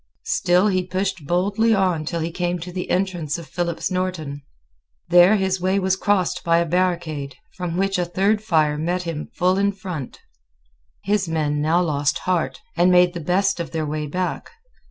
Still he pushed boldly on till he came to the entrance of Philip's Norton. There his way was crossed by a barricade, from which a third fire met him full in front. His men now lost heart, and made the best of their way back.